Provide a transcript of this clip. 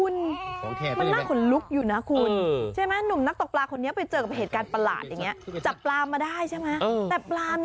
ลองฟังดูนะดีเพราะเขาตัดเบ็ดน่ะ